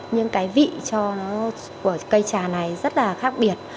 nhưng cái vị của cây trà này rất là khác biệt